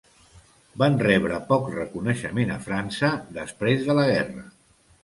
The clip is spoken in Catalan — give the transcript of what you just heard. Van rebre poc reconeixement a França després de la guerra.